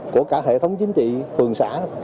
của cả hệ thống chính trị phường xã